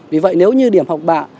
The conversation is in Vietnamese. vì vậy nếu như điểm học bạc